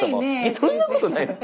そんなことないです。